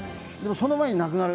その前になくなる。